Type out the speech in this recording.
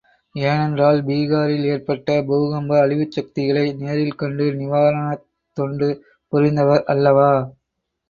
ஏனென்றால், பீகாரில் ஏற்பட்ட பூகம்ப அழிவுச் சக்திகளை நேரில் கண்டு நிவாரணத் தொண்டு புரிந்தவர் அல்லவா?